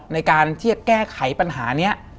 ในการที่จะแก้ไขปัญหานี้